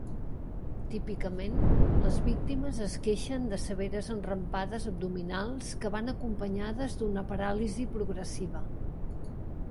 Típicament, les víctimes es queixen de severes enrampades abdominals que van acompanyades d'una paràlisi progressiva.